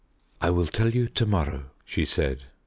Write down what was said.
"I will tell you to morrow," she said.